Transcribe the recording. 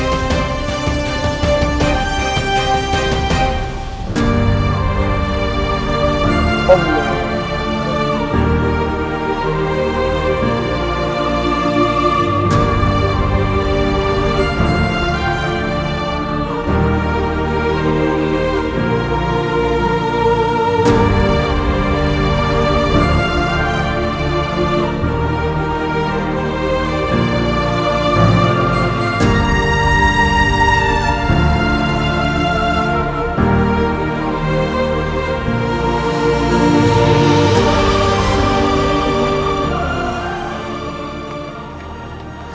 assalamualaikum warahmatullahi wabarakatuh